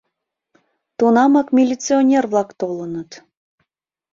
Тунамак милиционер-влак толыныт.